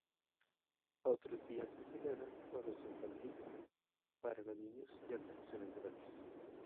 Otros días se celebran juegos infantiles para los niños y atracciones gratis.